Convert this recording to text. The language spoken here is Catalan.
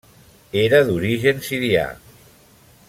Era d'origen sirià.